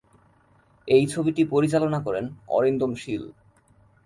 এই ছবিটি পরিচালনা করেন অরিন্দম শীল।